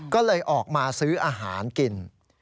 ก็เลยออกมาซื้ออาหารกิน